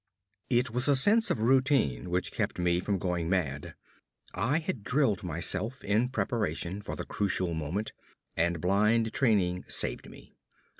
It was a sense of routine which kept me from going mad. I had drilled myself in preparation for the crucial moment, and blind training saved me.